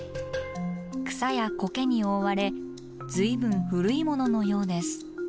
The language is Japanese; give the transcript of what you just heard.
草やコケに覆われ随分古いもののようです。